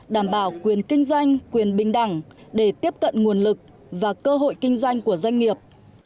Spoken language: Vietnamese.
đảm bảo quyền kinh doanh quyền bình đẳng để tiếp cận nguồn lực và cơ hội kinh doanh của doanh nghiệp